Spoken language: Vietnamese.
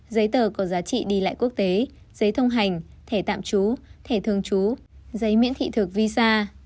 giấy tờ có giá trị đi lại quốc tế giấy thông hành thẻ tạm trú thẻ thường trú giấy miễn thị thực visa